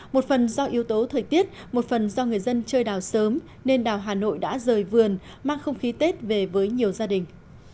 một phần do yếu tố thời tiết một phần do người dân chơi đào sớm nên đào hà nội đã rời vườn mang không khí tết về với nhiều gia đình